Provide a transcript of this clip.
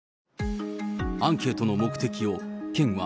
アンケートの目的を、県は、